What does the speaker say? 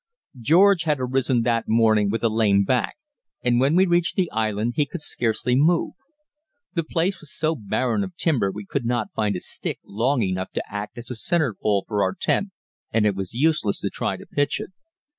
George had arisen that morning with a lame back, and when we reached the island he could scarcely move. The place was so barren of timber we could not find a stick long enough to act as a centre pole for our tent, and it was useless to try to pitch it.